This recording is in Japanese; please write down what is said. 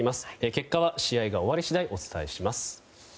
結果は試合が終わり次第お伝えします。